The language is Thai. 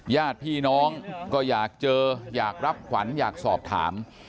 ญาติพี่น้องก็อยากเจออยากรับขวัญอยากสอบถาม